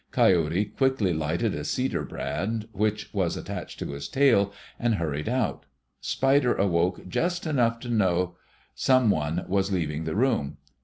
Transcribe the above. Coyote quickly lighted the cedar brand which was attached to his tail and hurried out. Spider awoke, just enough to know some one was leaving the room.